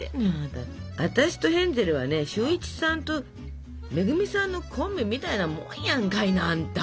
私とヘンゼルはね俊一さんと恵さんのコンビみたいなもんやんかいなあんた。